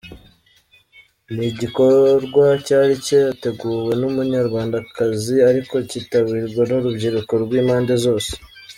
Ni igikorwa cyari cyateguwe n’Umunyarwandakazi ariko cyitabirwa n’urubyiruko rw’impande zose.